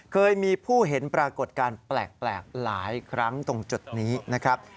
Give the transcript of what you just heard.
เคยมีผู้เห็นปรากฏการณ์แปลกหลายครั้งตรงจุดนี้นะครับ